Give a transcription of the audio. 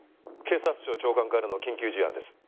「警察庁長官からの緊急事案です」